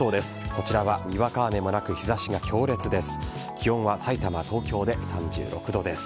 こちらはにわか雨もなく日差しが強烈です。